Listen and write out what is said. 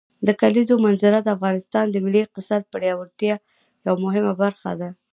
د کلیزو منظره د افغانستان د ملي اقتصاد د پیاوړتیا یوه مهمه برخه ده.